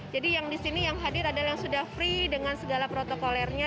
yang di sini yang hadir adalah yang sudah free dengan segala protokolernya